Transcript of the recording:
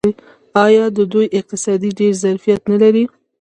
آیا د دوی اقتصاد ډیر ظرفیت نلري؟